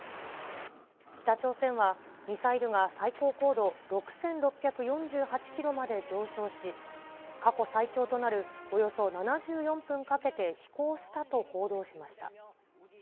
北朝鮮は、ミサイルが最高高度６６４８キロまで上昇し、過去最長となるおよそ７４分かけて飛行したと報道しました。